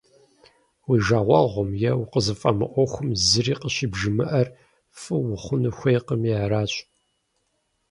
Уи жагъуэгъум, е укъызыфӀэмыӀуэхум зыри къыщӀыбжимыӀэр, фӀы ухъуну хуейкъыми аращ.